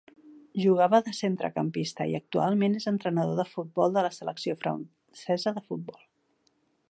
Jugava de centrecampista i actualment és entrenador de futbol de la selecció francesa de futbol.